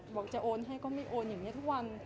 บอกจะโอนให้ก็ไม่โอนอย่างนี้ทุกวัน